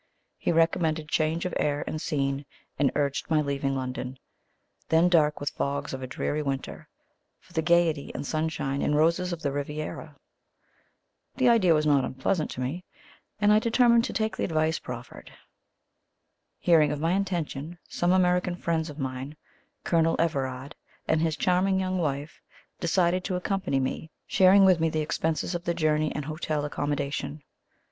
He recommended change of air and scene, and urged my leaving London, then dark with the fogs of a dreary winter, for the gaiety and sunshine and roses of the Riviera. The idea was not unpleasant to me, and I determined to take the advice proffered. Hearing of my intention, some American friends of mine, Colonel Everard and his charming young wife, decided to accompany me, sharing with me the expenses of the journey and hotel accommodation.